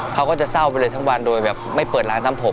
เขาก็จะเศร้าไปเลยทั้งวันโดยแบบไม่เปิดร้านทำผม